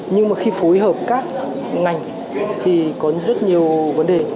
nhưng mà khi phối hợp các ngành thì có rất nhiều vấn đề